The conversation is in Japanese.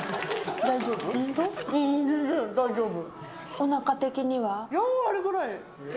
大丈夫？